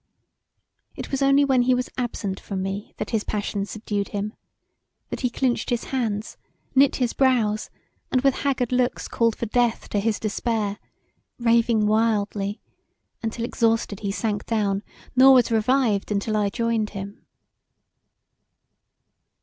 It was only when he was absent from me that his passion subdued him, that he clinched his hands knit his brows and with haggard looks called for death to his despair, raving wildly, untill exhausted he sank down nor was revived untill I joined him.